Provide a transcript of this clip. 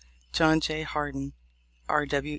John J. Hardin. R. W.